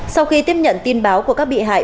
sau khi tiếp nhận tin báo của các bị hại